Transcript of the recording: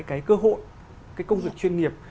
cái cơ hội cái công việc chuyên nghiệp